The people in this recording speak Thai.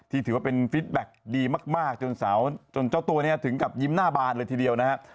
ที่ถือว่าเป็นฟิตแบ็คดีมากจนเจ้าตัวนี้ถึงกับยิ้มหน้าบานเลยทีเดียวนะฮะ